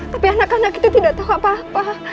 tapi anak anak itu tidak tahu apa apa